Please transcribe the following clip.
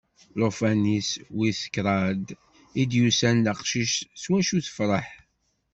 Llufan-is wis kraḍ i d-yusan d aqcic s wacu tefreḥ.